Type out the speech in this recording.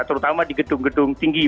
terutama di gedung gedung tinggi